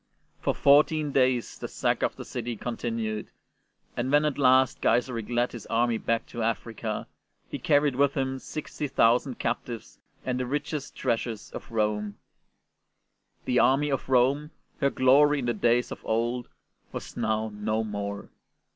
For fourteen days the sack of the city con tinued, and when at last Gaiseric led his army back to Africa, he carried with him 60,000 captives and the richest treasures of Rome. The army of Rome, her glory in the days of old, was now no more.